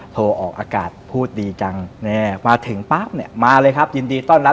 ออกอากาศพูดดีจังมาถึงปั๊บเนี่ยมาเลยครับยินดีต้อนรับ